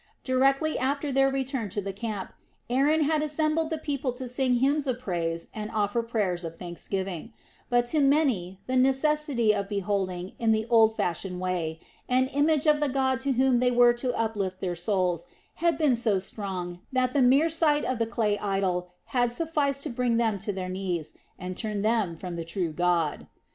Directly after their return to the camp Aaron had assembled the people to sing hymns of praise and offer prayers of thanksgiving; but to many the necessity of beholding, in the old fashioned way, an image of the god to whom they were to uplift their souls, had been so strong that the mere sight of the clay idol had sufficed to bring them to their knees, and turn them from the true God.